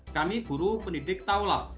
kami guru pendidik tahulah